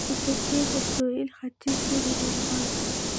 د ترکیې تر سوېل ختیځ پورې رانغاړي.